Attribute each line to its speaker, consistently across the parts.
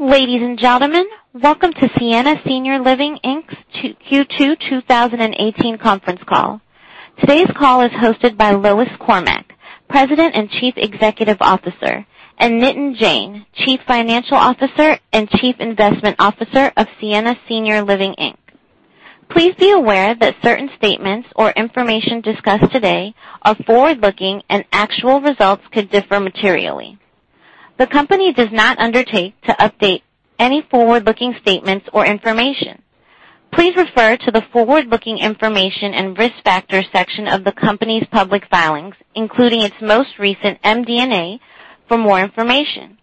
Speaker 1: Ladies and gentlemen, welcome to Sienna Senior Living Inc.'s Q2 2018 conference call. Today's call is hosted by Lois Cormack, President and Chief Executive Officer, and Nitin Jain, Chief Financial Officer and Chief Investment Officer of Sienna Senior Living Inc. Please be aware that certain statements or information discussed today are forward-looking and actual results could differ materially. The company does not undertake to update any forward-looking statements or information. Please refer to the forward-looking information and risk factors section of the company's public filings, including its most recent MD&A for more information.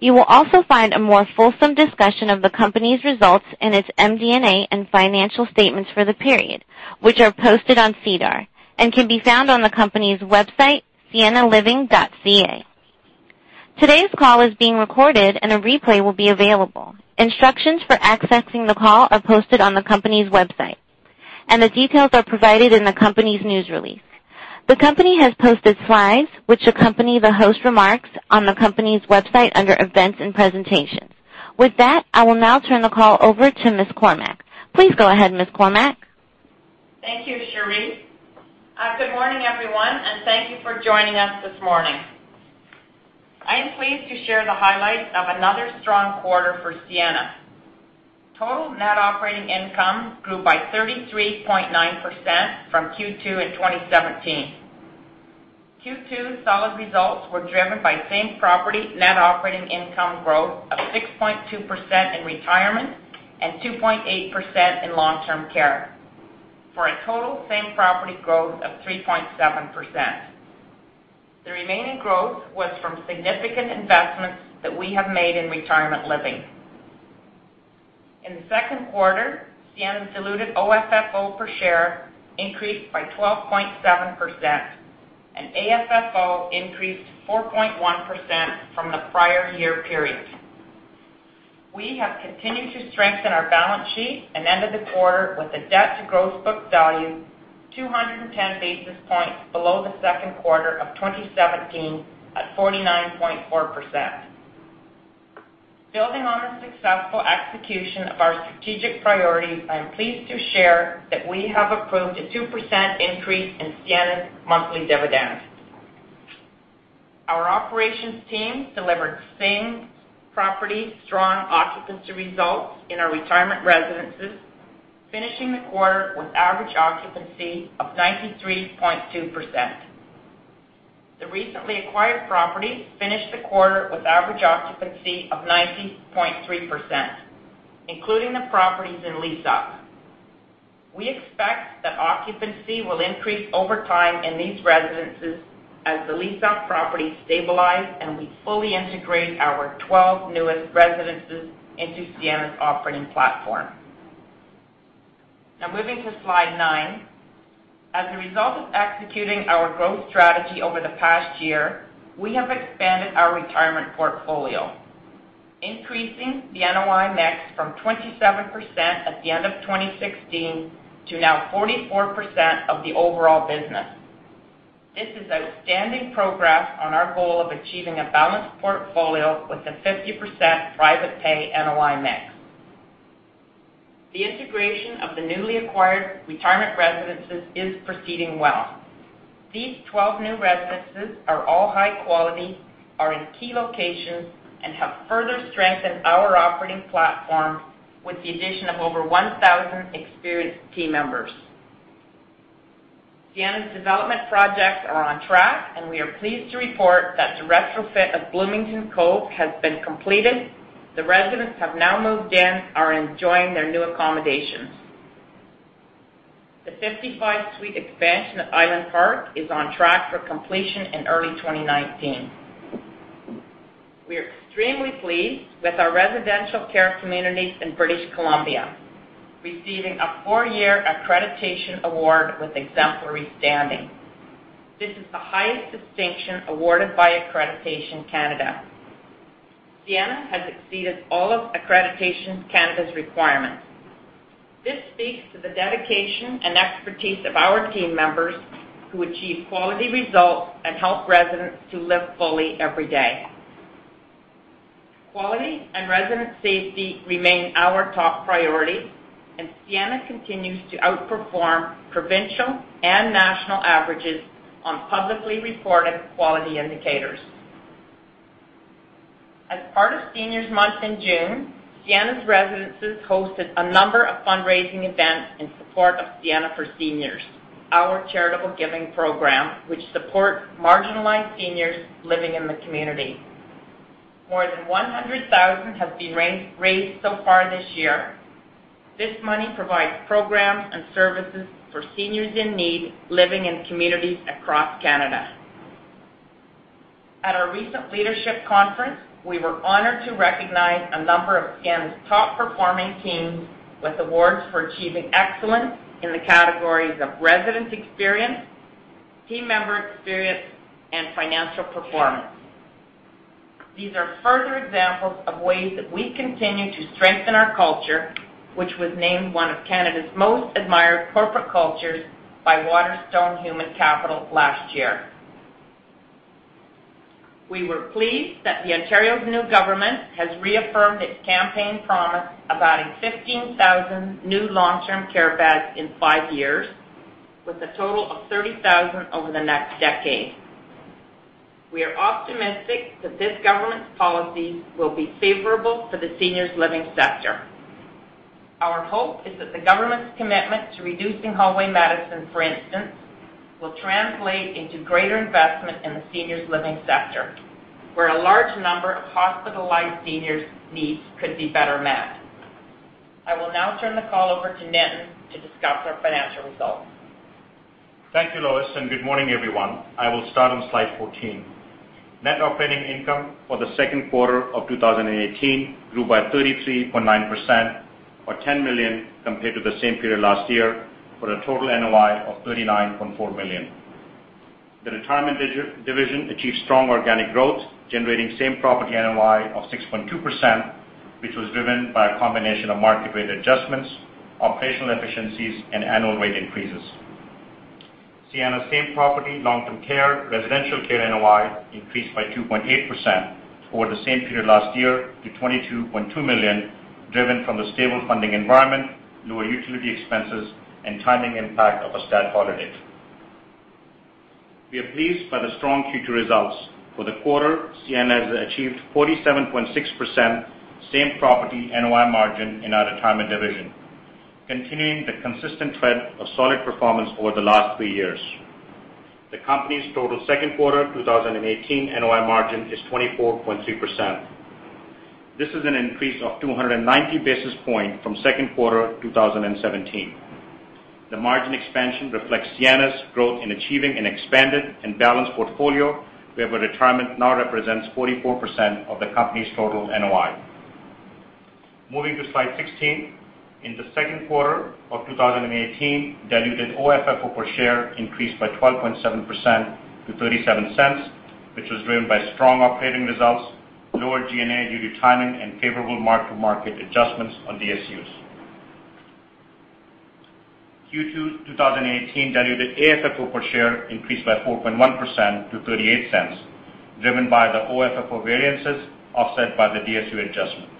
Speaker 1: You will also find a more fulsome discussion of the company's results in its MD&A and financial statements for the period, which are posted on SEDAR and can be found on the company's website, siennaliving.ca. Today's call is being recorded and a replay will be available. Instructions for accessing the call are posted on the company's website. The details are provided in the company's news release. The company has posted slides which accompany the host remarks on the company's website under events and presentations. With that, I will now turn the call over to Ms. Cormack. Please go ahead, Ms. Cormack.
Speaker 2: Thank you, Cherise. Good morning, everyone. Thank you for joining us this morning. I am pleased to share the highlights of another strong quarter for Sienna. Total net operating income grew by 33.9% from Q2 2017. Q2 solid results were driven by same-property net operating income growth of 6.2% in retirement and 2.8% in long-term care. For a total same-property growth of 3.7%. The remaining growth was from significant investments that we have made in retirement living. In the second quarter, Sienna's diluted OFFO per share increased by 12.7%, and AFFO increased 4.1% from the prior year period. We have continued to strengthen our balance sheet. We ended the quarter with a debt to gross book value 210 basis points below the second quarter of 2017 at 49.4%. Building on the successful execution of our strategic priorities, I am pleased to share that we have approved a 2% increase in Sienna's monthly dividend. Our operations team delivered same-property strong occupancy results in our retirement residences, finishing the quarter with average occupancy of 93.2%. The recently acquired properties finished the quarter with average occupancy of 90.3%, including the properties in lease-up. We expect that occupancy will increase over time in these residences as the leased-up properties stabilize and we fully integrate our 12 newest residences into Sienna's operating platform. Now, moving to slide nine. As a result of executing our growth strategy over the past year, we have expanded our retirement portfolio, increasing the NOI mix from 27% at the end of 2016 to now 44% of the overall business. This is outstanding progress on our goal of achieving a balanced portfolio with a 50% private pay NOI mix. The integration of the newly acquired retirement residences is proceeding well. These 12 new residences are all high quality, are in key locations, and have further strengthened our operating platform with the addition of over 1,000 experienced team members. Sienna's development projects are on track, and we are pleased to report that the retrofit of Bloomington Cove has been completed. The residents have now moved in, are enjoying their new accommodations. The 55-suite expansion at Island Park is on track for completion in early 2019. We are extremely pleased with our residential care communities in British Columbia, receiving a four-year accreditation award with exemplary standing. This is the highest distinction awarded by Accreditation Canada. Sienna has exceeded all of Accreditation Canada's requirements. This speaks to the dedication and expertise of our team members who achieve quality results and help residents to live fully every day. Quality and resident safety remain our top priority, and Sienna continues to outperform provincial and national averages on publicly reported quality indicators. As part of Seniors Month in June, Sienna's residences hosted a number of fundraising events in support of Sienna for Seniors, our charitable giving program, which supports marginalized seniors living in the community. More than 100,000 has been raised so far this year. This money provides programs and services for seniors in need living in communities across Canada. At our recent leadership conference, we were honored to recognize a number of Sienna's top performing teams with awards for achieving excellence in the categories of resident experience, team member experience, and financial performance. These are further examples of ways that we continue to strengthen our culture, which was named one of Canada's most admired corporate cultures by Waterstone Human Capital last year. We were pleased that the Ontario's new government has reaffirmed its campaign promise of adding 15,000 new long-term care beds in five years, with a total of 30,000 over the next decade. We are optimistic that this government's policy will be favorable for the seniors living sector. Our hope is that the government's commitment to reducing hallway medicine, for instance, will translate into greater investment in the seniors living sector, where a large number of hospitalized seniors' needs could be better met. I will now turn the call over to Nitin to discuss our financial results.
Speaker 3: Good morning, everyone. I will start on slide 14. Net operating income for the second quarter of 2018 grew by 33.9%, or 10 million, compared to the same period last year, for a total NOI of 39.4 million. The retirement division achieved strong organic growth, generating same-property NOI of 6.2%, which was driven by a combination of market-rate adjustments, operational efficiencies, and annual rate increases. Sienna same-property long-term care, residential care NOI increased by 2.8% over the same period last year to 22.2 million, driven from the stable funding environment, lower utility expenses, and timing impact of a stat holiday. We are pleased by the strong future results. For the quarter, Sienna has achieved 47.6% same-property NOI margin in our retirement division, continuing the consistent trend of solid performance over the last three years. The company's total second quarter 2018 NOI margin is 24.3%. This is an increase of 290 basis points from second quarter 2017. The margin expansion reflects Sienna's growth in achieving an expanded and balanced portfolio, where retirement now represents 44% of the company's total NOI. Moving to slide 16. In the second quarter of 2018, diluted OFFO per share increased by 12.7% to 0.37, which was driven by strong operating results, lower G&A due to timing, and favorable mark-to-market adjustments on DSUs. Q2 2018 diluted AFFO per share increased by 4.1% to 0.38, driven by the OFFO variances, offset by the DSU adjustment.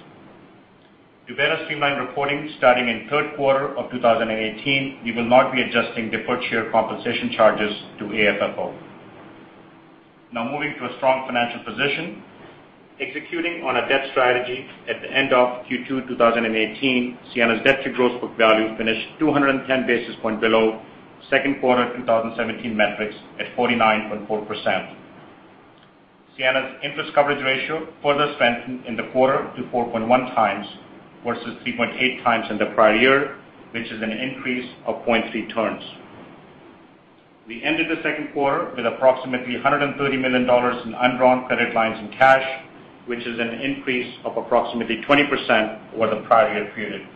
Speaker 3: To better streamline reporting, starting in third quarter of 2018, we will not be adjusting deferred share compensation charges to AFFO. Now, moving to a strong financial position. Executing on our debt strategy at the end of Q2 2018, Sienna's debt to gross book value finished 210 basis points below second quarter 2017 metrics, at 49.4%. Sienna's interest coverage ratio further strengthened in the quarter to 4.1 times, versus 3.8 times in the prior year, which is an increase of 0.3 turns. We ended the second quarter with approximately 130 million dollars in undrawn credit lines in cash, which is an increase of approximately 20% over the prior year period.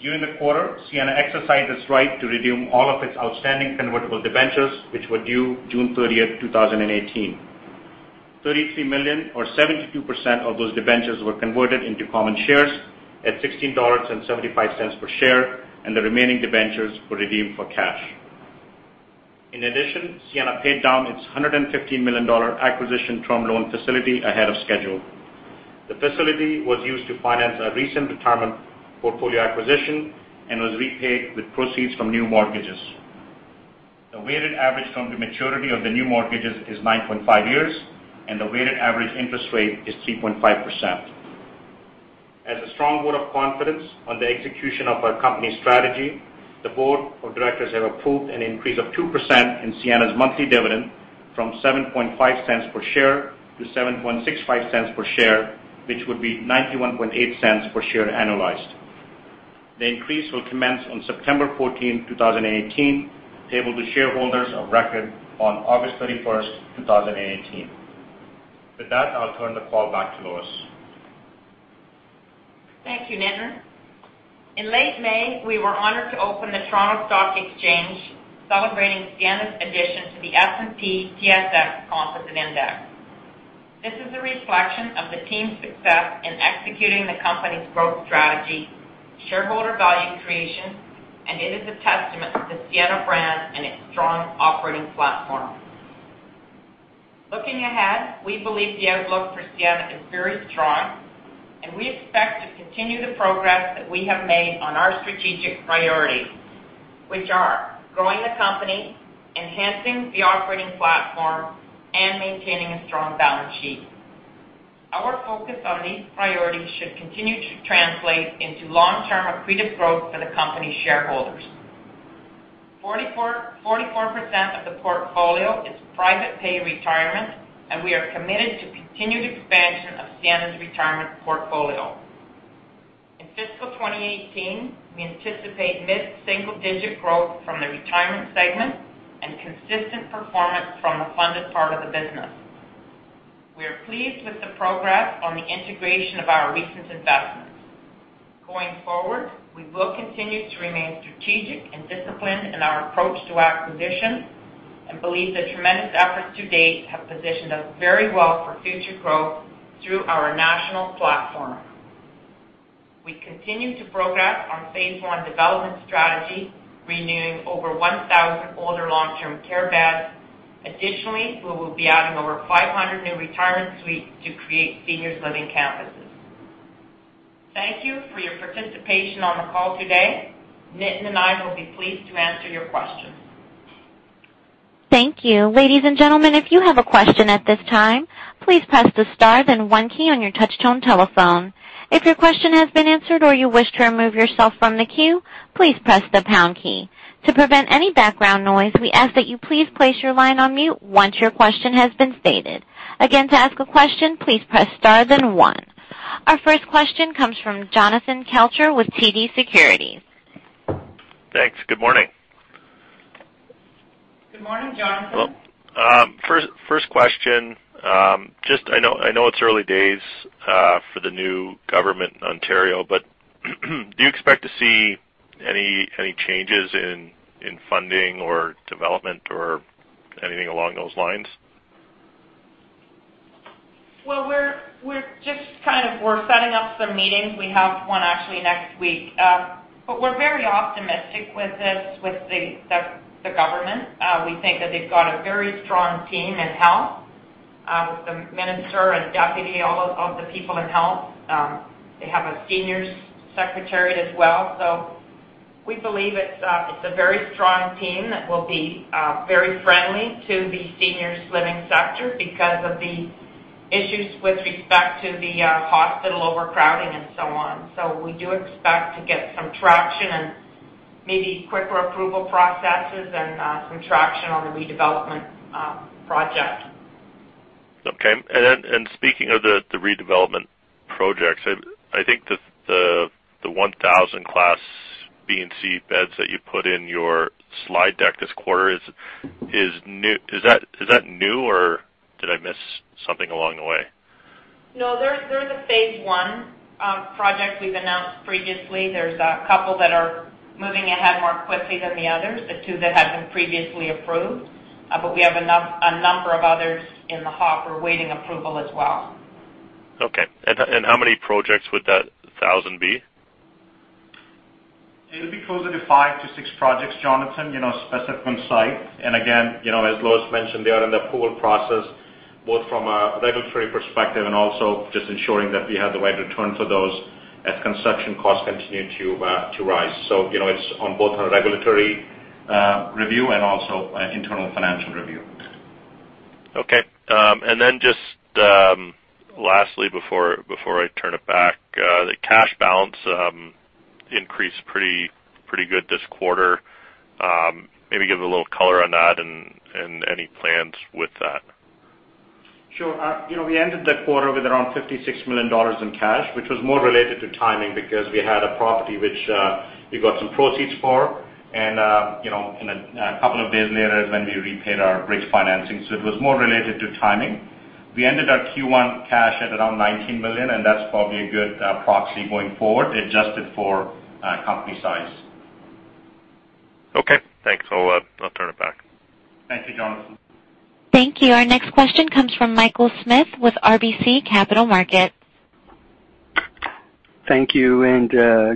Speaker 3: During the quarter, Sienna exercised its right to redeem all of its outstanding convertible debentures, which were due June 30, 2018. 33 million, or 72% of those debentures, were converted into common shares at 16.75 dollars per share, and the remaining debentures were redeemed for cash. In addition, Sienna paid down its 150 million dollar acquisition term loan facility ahead of schedule. The facility was used to finance our recent retirement portfolio acquisition and was repaid with proceeds from new mortgages. The weighted average from the maturity of the new mortgages is 9.5 years, and the weighted average interest rate is 3.5%. As a strong vote of confidence on the execution of our company strategy, the Board of Directors have approved an increase of 2% in Sienna's monthly dividend from 0.075 per share to 0.0765 per share, which would be 0.918 per share annualized. The increase will commence on September 14, 2018, payable to shareholders of record on August 31, 2018. With that, I'll turn the call back to Lois.
Speaker 2: Thank you, Nitin. In late May, we were honored to open the Toronto Stock Exchange celebrating Sienna's addition to the S&P/TSX Composite Index. This is a reflection of the team's success in executing the company's growth strategy, shareholder value creation, and it is a testament to the Sienna brand and its strong operating platform. Looking ahead, we believe the outlook for Sienna is very strong, and we expect to continue the progress that we have made on our strategic priorities, which are growing the company, enhancing the operating platform, and maintaining a strong balance sheet. Our focus on these priorities should continue to translate into long-term accretive growth for the company's shareholders. 44% of the portfolio is private pay retirement, and we are committed to continued expansion of Sienna's retirement portfolio. In fiscal 2018, we anticipate mid-single-digit growth from the retirement segment and consistent performance from the funded part of the business. We are pleased with the progress on the integration of our recent investments. Going forward, we will continue to remain strategic and disciplined in our approach to acquisition and believe the tremendous efforts to date have positioned us very well for future growth through our national platform. We continue to progress on phase one development strategy, renewing over 1,000 older long-term care beds. Additionally, we will be adding over 500 new retirement suites to create seniors living campuses. Thank you for your participation on the call today. Nitin and I will be pleased to answer your questions.
Speaker 1: Thank you. Ladies and gentlemen, if you have a question at this time, please press the star then one key on your touch tone telephone. If your question has been answered or you wish to remove yourself from the queue, please press the pound key. To prevent any background noise, we ask that you please place your line on mute once your question has been stated. Again, to ask a question, please press star then one. Our first question comes from Jonathan Kelcher with TD Securities.
Speaker 4: Thanks. Good morning.
Speaker 2: Good morning, Jonathan.
Speaker 4: First question. Do you expect to see any changes in funding or development or anything along those lines?
Speaker 2: Well, we're setting up some meetings. We have one actually next week. We're very optimistic with this, with the government. We think that they've got a very strong team in health, with the minister and deputy, all of the people in health. They have a seniors secretary as well. We believe it's a very strong team that will be very friendly to the seniors living sector because of the issues with respect to the hospital overcrowding and so on. We do expect to get some traction and maybe quicker approval processes and, some traction on the redevelopment project.
Speaker 4: Okay. Speaking of the redevelopment projects, I think the 1,000 class B and C beds that you put in your slide deck this quarter, is that new, or did I miss something along the way?
Speaker 2: They're in the phase one project we've announced previously. There's a couple that are moving ahead more quickly than the others, the two that have been previously approved. We have a number of others in the hopper awaiting approval as well.
Speaker 4: Okay. How many projects would that 1,000 be?
Speaker 3: It'll be closer to five to six projects, Jonathan, specific on site. Again, as Lois mentioned, they are in the approval process, both from a regulatory perspective and also just ensuring that we have the right return for those as construction costs continue to rise. It's on both a regulatory review and also an internal financial review.
Speaker 4: Okay. Just lastly, before I turn it back, the cash balance increased pretty good this quarter. Maybe give a little color on that and any plans with that.
Speaker 3: Sure. We ended the quarter with around 56 million dollars in cash, which was more related to timing because we had a property which we got some proceeds for. A couple of days later is when we repaid our bridge financing. It was more related to timing. We ended our Q1 cash at around 19 million, and that's probably a good proxy going forward, adjusted for company size.
Speaker 4: Okay. Thanks. I'll turn it back.
Speaker 3: Thank you, Jonathan.
Speaker 1: Thank you. Our next question comes from Michael Smith with RBC Capital Markets.
Speaker 5: Thank you, and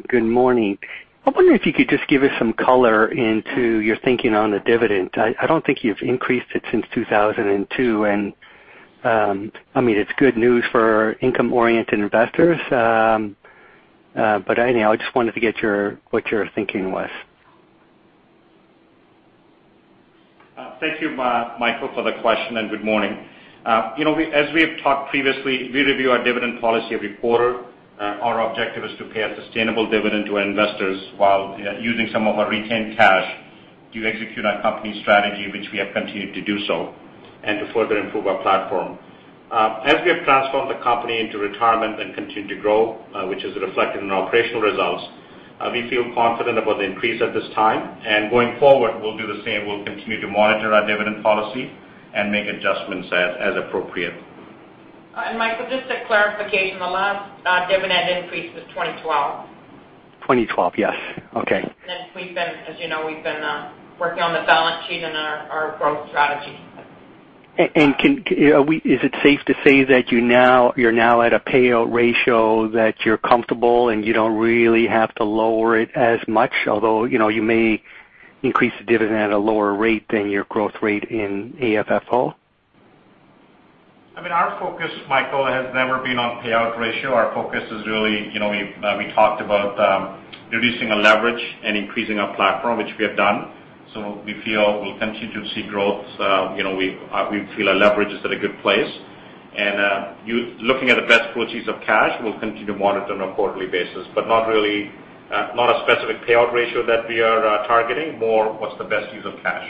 Speaker 5: good morning. I wonder if you could just give us some color into your thinking on the dividend. I don't think you've increased it since 2002, and it's good news for income-oriented investors. Anyhow, I just wanted to get what your thinking was.
Speaker 3: Thank you, Michael, for the question, and good morning. As we have talked previously, we review our dividend policy every quarter. Our objective is to pay a sustainable dividend to our investors while using some of our retained cash to execute our company strategy, which we have continued to do so, and to further improve our platform. As we have transformed the company into retirement and continue to grow, which is reflected in our operational results, we feel confident about the increase at this time. Going forward, we'll do the same. We'll continue to monitor our dividend policy and make adjustments as appropriate.
Speaker 2: Michael, just a clarification. The last dividend increase was 2012.
Speaker 5: 2012. Yes. Okay.
Speaker 2: As you know, we've been working on the balance sheet and our growth strategy.
Speaker 5: Is it safe to say that you're now at a payout ratio that you're comfortable and you don't really have to lower it as much, although, you may increase the dividend at a lower rate than your growth rate in AFFO?
Speaker 3: Our focus, Michael, has never been on payout ratio. Our focus is really, we talked about reducing our leverage and increasing our platform, which we have done. We feel we'll continue to see growth. We feel our leverage is at a good place. Looking at the best use of cash, we'll continue to monitor on a quarterly basis, but not a specific payout ratio that we are targeting, more what's the best use of cash.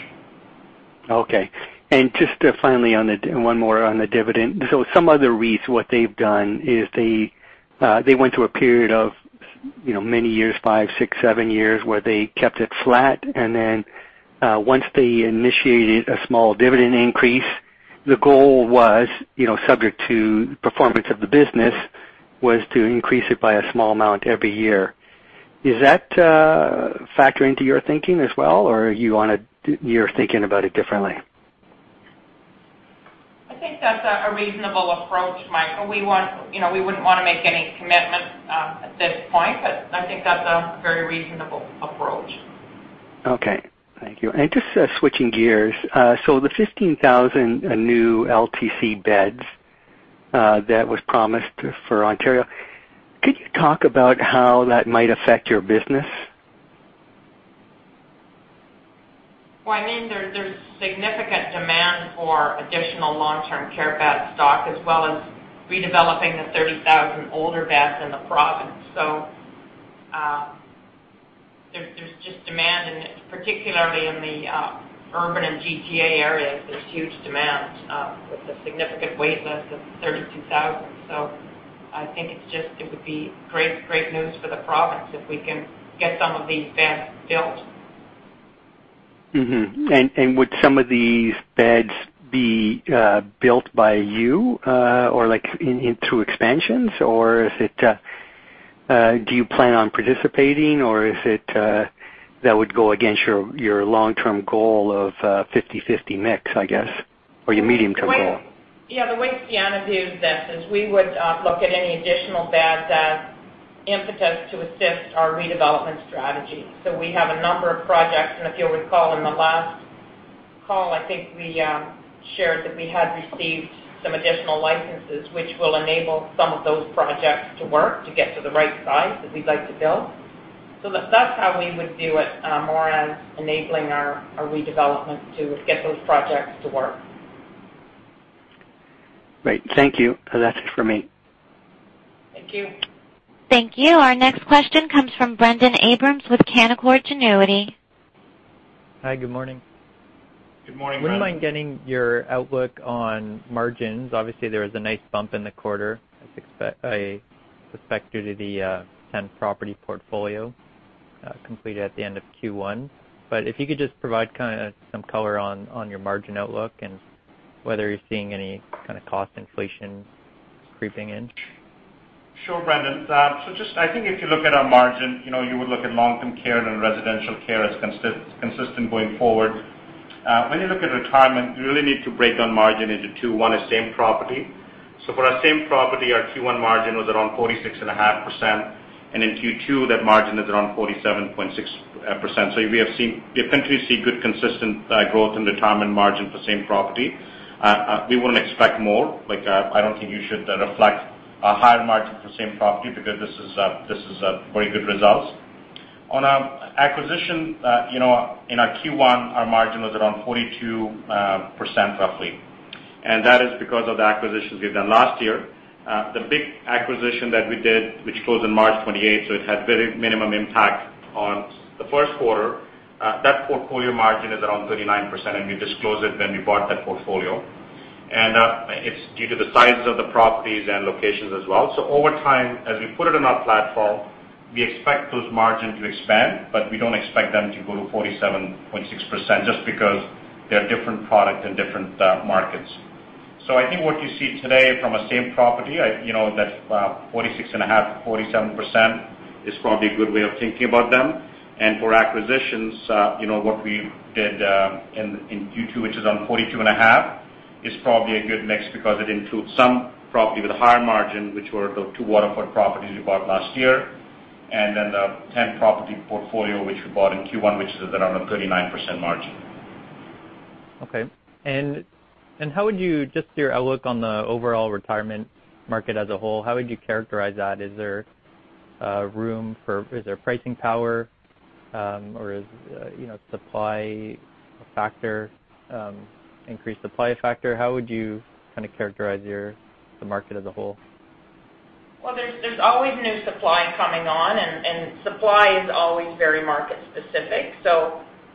Speaker 5: Okay. Just finally, one more on the dividend. Some other REITs, what they've done is they went through a period of many years, five, six, seven years, where they kept it flat, then once they initiated a small dividend increase. The goal was, subject to performance of the business, was to increase it by a small amount every year. Does that factor into your thinking as well, or you're thinking about it differently?
Speaker 2: I think that's a reasonable approach, Michael. We wouldn't want to make any commitment at this point, but I think that's a very reasonable approach.
Speaker 5: Okay. Thank you. Just switching gears, the 15,000 new LTC beds that was promised for Ontario, could you talk about how that might affect your business?
Speaker 2: Well, there's significant demand for additional long-term care bed stock as well as redeveloping the 30,000 older beds in the province. There's just demand, and particularly in the urban and GTA areas, there's huge demand with a significant waitlist of 32,000. I think it would be great news for the province if we can get some of these beds built.
Speaker 5: Mm-hmm. Would some of these beds be built by you, or through expansions, or do you plan on participating, or that would go against your long-term goal of 50/50 mix, I guess, or your medium-term goal?
Speaker 2: The way Sienna views this is we would look at any additional bed as impetus to assist our redevelopment strategy. We have a number of projects, if you'll recall in the last call, I think we shared that we had received some additional licenses, which will enable some of those projects to work to get to the right size that we'd like to build. That's how we would view it, more as enabling our redevelopment to get those projects to work.
Speaker 5: Great. Thank you. That's it for me.
Speaker 2: Thank you.
Speaker 1: Thank you. Our next question comes from Brendon Abrams with Canaccord Genuity.
Speaker 6: Hi, good morning.
Speaker 3: Good morning, Brendon.
Speaker 6: Would you mind getting your outlook on margins? Obviously, there was a nice bump in the quarter, I suspect due to the 10-property portfolio completed at the end of Q1. If you could just provide some color on your margin outlook, and whether you're seeing any kind of cost inflation creeping in.
Speaker 3: Sure, Brendon. Just, I think if you look at our margin, you would look at long-term care and then residential care as consistent going forward. When you look at retirement, you really need to break down margin into two. One is same property. For our same property, our Q1 margin was around 46.5%, and in Q2, that margin is around 47.6%. We have continued to see good consistent growth in the term and margin for same property. We wouldn't expect more. I don't think you should reflect a higher margin for same property, because this is very good results. On our acquisition, in our Q1, our margin was around 42% roughly, and that is because of the acquisitions we've done last year. The big acquisition that we did, which closed on March 28, so it had very minimal impact on the first quarter. That portfolio margin is around 39%, we disclosed it when we bought that portfolio. It's due to the sizes of the properties and locations as well. Over time, as we put it in our platform, we expect those margins to expand, but we don't expect them to go to 47.6%, just because they're different product and different markets. I think what you see today from a same property, that 46.5%, 47% is probably a good way of thinking about them. For acquisitions, what we did in Q2, which is on 42.5%, is probably a good mix because it includes some property with a higher margin, which were the two Waterford properties we bought last year, then the 10-property portfolio which we bought in Q1, which is around a 39% margin.
Speaker 6: Okay. Just your outlook on the overall retirement market as a whole, how would you characterize that? Is there pricing power, or is increased supply a factor? How would you characterize the market as a whole?
Speaker 2: Well, there's always new supply coming on, and supply is always very market specific.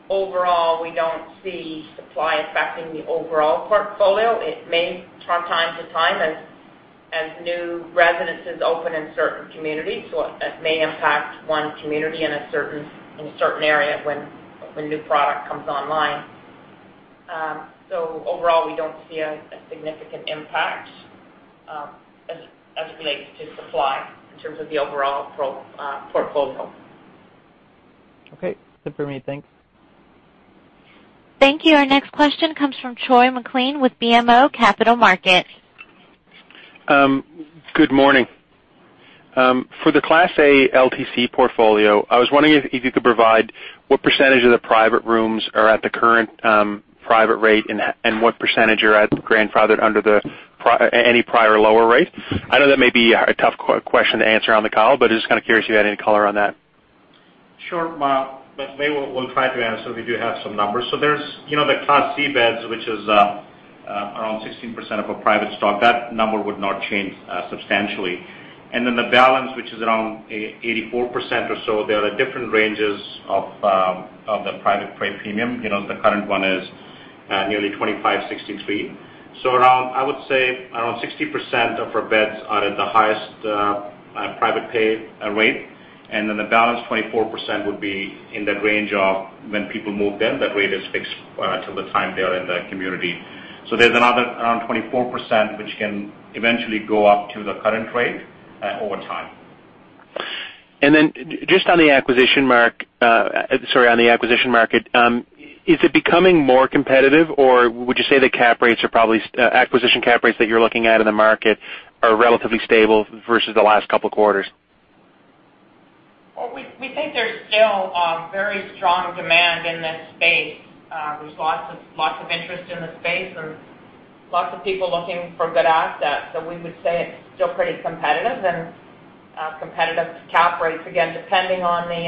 Speaker 2: Overall, we don't see supply affecting the overall portfolio. It may from time to time, as new residences open in certain communities. It may impact one community in a certain area when new product comes online. Overall, we don't see a significant impact as it relates to supply in terms of the overall portfolio.
Speaker 6: Okay. That's it for me. Thanks.
Speaker 1: Thank you. Our next question comes from Troy MacLean with BMO Capital Markets.
Speaker 7: Good morning. For the Class A LTC portfolio, I was wondering if you could provide what percentage of the private rooms are at the current private rate, and what percentage are grandfathered under any prior lower rate. I know that may be a tough question to answer on the call, but just kind of curious if you had any color on that.
Speaker 3: Sure. We'll try to answer. We do have some numbers. There's the Class C beds, which is around 16% of our private stock. That number would not change substantially. The balance, which is around 84% or so, there are different ranges of the private rate premium. The current one is nearly 2,563. I would say around 60% of our beds are at the highest private pay rate. The balance, 24%, would be in that range of when people move in, that rate is fixed till the time they are in the community. There's another around 24%, which can eventually go up to the current rate over time.
Speaker 7: Just on the acquisition market, is it becoming more competitive or would you say the acquisition cap rates that you're looking at in the market are relatively stable versus the last couple of quarters?
Speaker 2: We think there's still very strong demand in this space. There's lots of interest in the space. There's lots of people looking for good assets. We would say it's still pretty competitive, and competitive cap rates, again, depending on the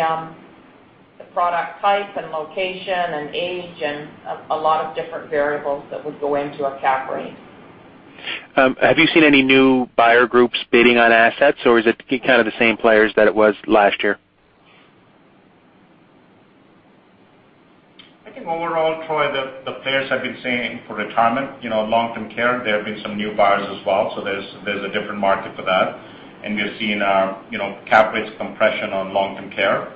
Speaker 2: product type and location and age, and a lot of different variables that would go into a cap rate.
Speaker 7: Have you seen any new buyer groups bidding on assets, or is it kind of the same players that it was last year?
Speaker 3: I think overall, Troy, the players have been saying for retirement, long-term care, there have been some new buyers as well. There's a different market for that. We've seen cap rates compression on long-term care.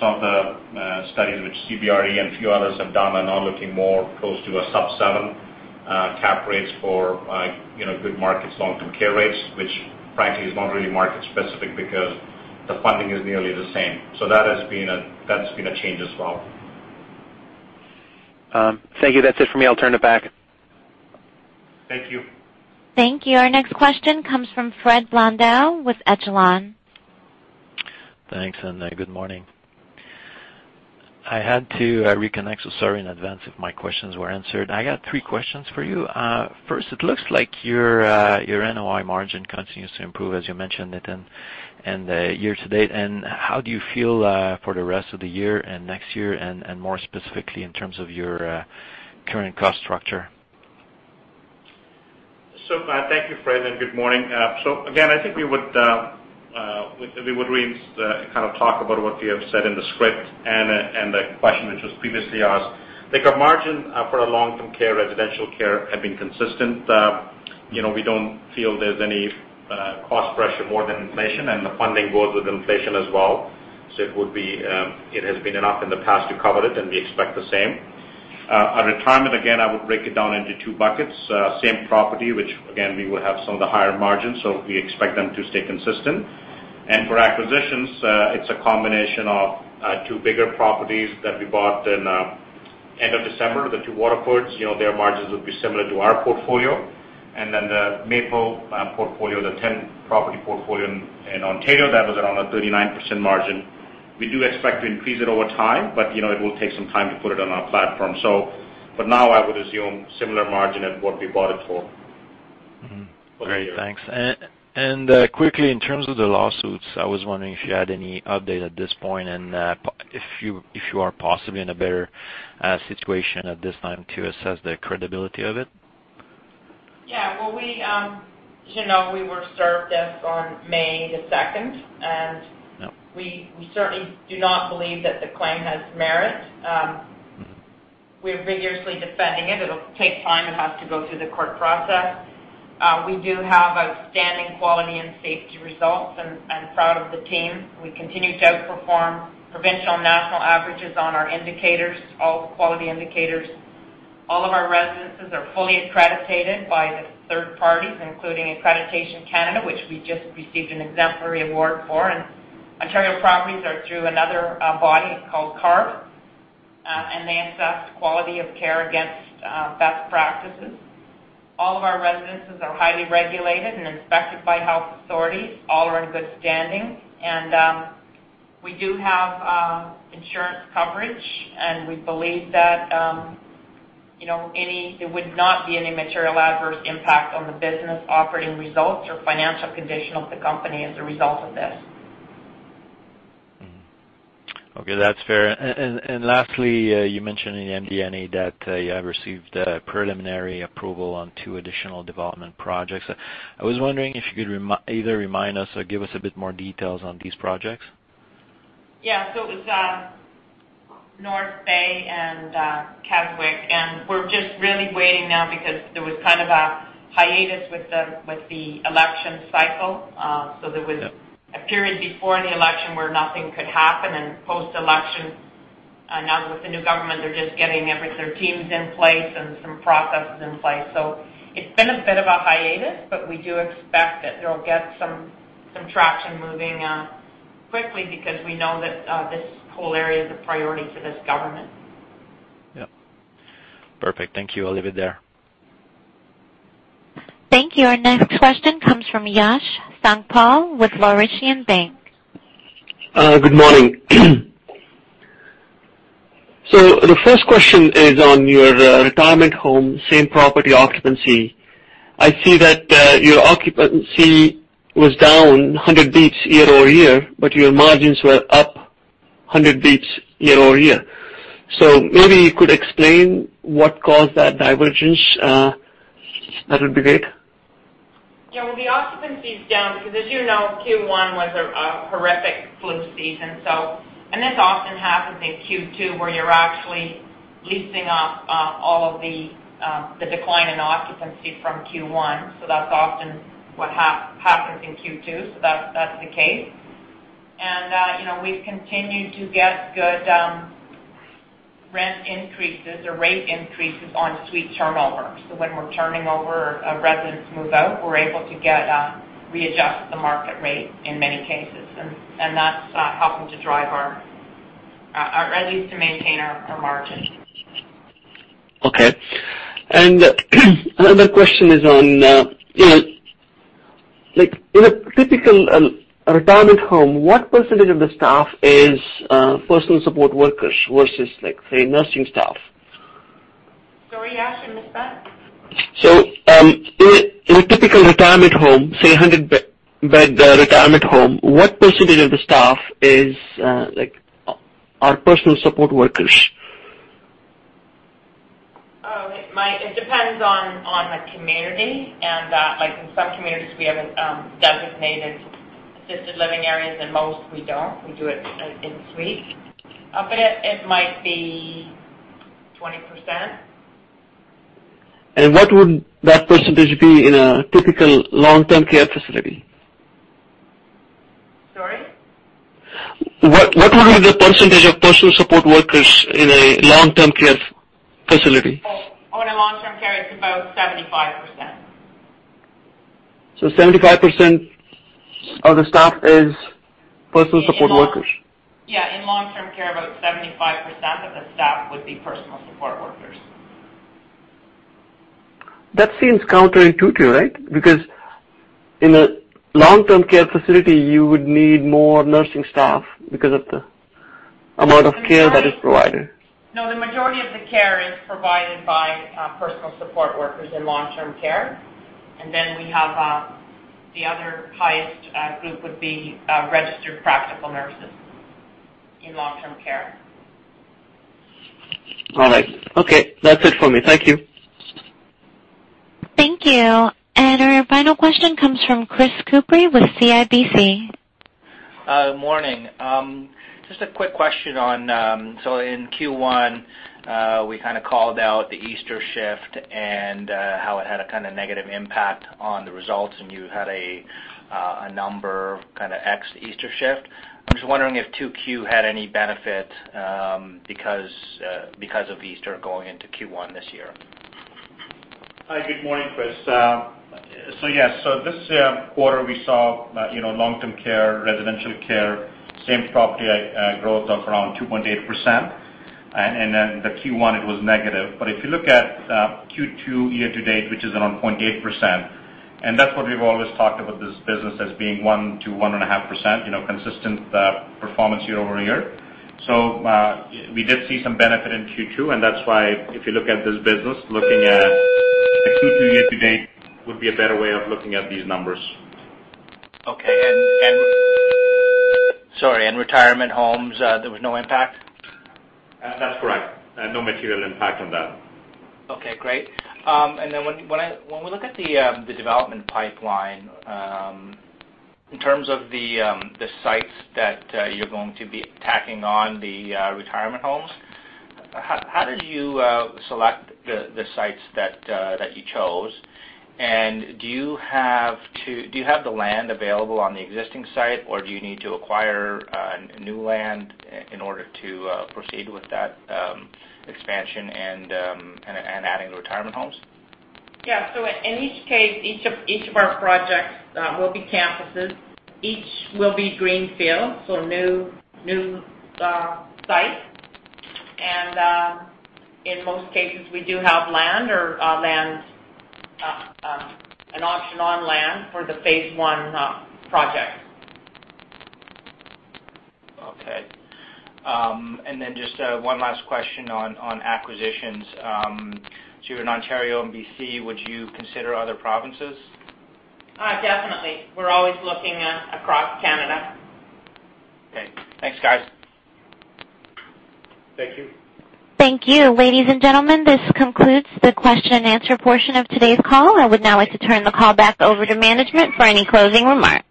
Speaker 3: Some of the studies which CBRE and a few others have done are now looking more close to a sub seven cap rates for good markets, long-term care rates, which frankly is not really market specific because the funding is nearly the same. That has been a change as well.
Speaker 7: Thank you. That's it for me. I'll turn it back.
Speaker 3: Thank you.
Speaker 1: Thank you. Our next question comes from Fred Blondeau with Echelon.
Speaker 8: Thanks. Good morning. I had to reconnect, so sorry in advance if my questions were answered. I got three questions for you. First, it looks like your NOI margin continues to improve, as you mentioned, Nitin, year to date. How do you feel for the rest of the year and next year, and more specifically in terms of your current cost structure?
Speaker 3: Thank you, Fred. Good morning. Again, I think we would kind of talk about what we have said in the script and the question which was previously asked. I think our margin for our long-term care, residential care, have been consistent. We don't feel there's any cost pressure more than inflation, and the funding goes with inflation as well. It has been enough in the past to cover it, and we expect the same. Our retirement, again, I would break it down into two buckets. Same property, which again, we will have some of the higher margins, so we expect them to stay consistent. For acquisitions, it's a combination of two bigger properties that we bought in end of December, the two Waterfords. Their margins would be similar to our portfolio. The Maple portfolio, the 10-property portfolio in Ontario, that was around a 39% margin. We do expect to increase it over time, it will take some time to put it on our platform. Now I would assume similar margin at what we bought it for.
Speaker 8: Great. Thanks. Quickly, in terms of the lawsuits, I was wondering if you had any update at this point and if you are possibly in a better situation at this time to assess the credibility of it.
Speaker 2: We were served this on May the 2nd.
Speaker 8: Yep.
Speaker 2: We certainly do not believe that the claim has merit. We're vigorously defending it. It'll take time. It has to go through the court process. We do have outstanding quality and safety results, and proud of the team. We continue to outperform provincial and national averages on our indicators, all the quality indicators. All of our residences are fully accredited by third parties, including Accreditation Canada, which we just received an exemplary award for. Ontario properties are through another body called CARF, and they assess quality of care against best practices. All of our residences are highly regulated and inspected by health authorities. All are in good standing. We do have insurance coverage, and we believe that there would not be any material adverse impact on the business operating results or financial condition of the company as a result of this.
Speaker 8: Okay, that's fair. Lastly, you mentioned in the MD&A that you have received preliminary approval on two additional development projects. I was wondering if you could either remind us or give us a bit more details on these projects.
Speaker 2: Yeah. It was North Bay and Keswick. We're just really waiting now because there was kind of a hiatus with the election cycle. There was a period before the election where nothing could happen, post-election, now with the new government, they're just getting their teams in place and some processes in place. It's been a bit of a hiatus, we do expect that they'll get some traction moving quickly because we know that this whole area is a priority for this government.
Speaker 8: Yep. Perfect. Thank you. I'll leave it there.
Speaker 1: Thank you. Our next question comes from Yash Sankpal with Laurentian Bank.
Speaker 9: Good morning. The first question is on your retirement home, same property occupancy. I see that your occupancy was down 100 basis points year-over-year, your margins were up 100 basis points year-over-year. Maybe you could explain what caused that divergence. That would be great.
Speaker 2: Well, the occupancy is down because as you know, Q1 was a horrific flu season. This often happens in Q2 where you're actually leasing up all of the decline in occupancy from Q1. That's often what happens in Q2, that's the case. We've continued to get good rent increases or rate increases on suite turnover. When we're turning over, residents move out, we're able to readjust the market rate in many cases. That's helping to drive our, at least to maintain our margin.
Speaker 9: Another question is on, in a typical retirement home, what percentage of the staff is personal support workers versus, say, nursing staff?
Speaker 2: Sorry, you asked, I missed that.
Speaker 9: In a typical retirement home, say 100-bed retirement home, what percentage of the staff are personal support workers?
Speaker 2: It depends on the community, in some communities we have a designated assisted living areas, and most we don't. We do it in suite. I'll bet it might be 20%.
Speaker 9: What would that percentage be in a typical long-term care facility?
Speaker 2: Sorry?
Speaker 9: What would be the percentage of personal support workers in a long-term care facility?
Speaker 2: Oh, in a long-term care, it's about 75%.
Speaker 9: 75% of the staff is personal support workers.
Speaker 2: Yeah. In long-term care, about 75% of the staff would be personal support workers.
Speaker 9: That seems counterintuitive, right? In a long-term care facility, you would need more nursing staff because of the amount of care that is provided.
Speaker 2: No, the majority of the care is provided by personal support workers in long-term care. Then we have, the other highest group would be registered practical nurses in long-term care.
Speaker 9: All right. Okay. That's it for me. Thank you.
Speaker 1: Thank you. Our final question comes from Chris Couprie with CIBC.
Speaker 10: Morning. Just a quick question on in Q1, we kind of called out the Easter shift and how it had a kind of negative impact on the results, and you had a number, kind of X Easter shift. I'm just wondering if 2Q had any benefit, because of Easter going into Q1 this year.
Speaker 3: Good morning, Chris. Yes. This quarter, we saw long-term care, residential care, same property growth of around 2.8%. The Q1, it was negative. If you look at Q2 year to date, which is around 0.8%, that's what we've always talked about this business as being 1% to 1.5%, consistent performance year-over-year. We did see some benefit in Q2, and that's why if you look at this business, looking at Q2 year to date would be a better way of looking at these numbers.
Speaker 10: Okay. Sorry, retirement homes, there was no impact?
Speaker 3: That's correct. No material impact on that.
Speaker 10: Okay, great. When we look at the development pipeline, in terms of the sites that you're going to be tacking on the retirement homes, how did you select the sites that you chose, and do you have the land available on the existing site, or do you need to acquire new land in order to proceed with that expansion and adding retirement homes?
Speaker 2: Yeah. In each case, each of our projects will be campuses. Each will be greenfield, new site. In most cases, we do have land or an option on land for the phase 1 project.
Speaker 10: Okay. Just one last question on acquisitions. You're in Ontario and BC, would you consider other provinces?
Speaker 2: Definitely. We're always looking across Canada.
Speaker 10: Okay. Thanks, guys.
Speaker 3: Thank you.
Speaker 1: Thank you. Ladies and gentlemen, this concludes the question and answer portion of today's call. I would now like to turn the call back over to management for any closing remarks.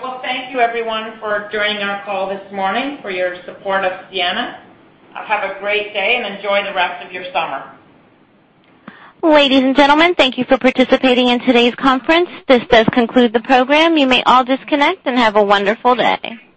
Speaker 2: Well, thank you everyone for joining our call this morning, for your support of Sienna. Have a great day and enjoy the rest of your summer.
Speaker 1: Ladies and gentlemen, thank you for participating in today's conference. This does conclude the program. You may all disconnect and have a wonderful day.